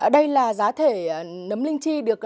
đây là giá thể nấm linh chi được tạo ra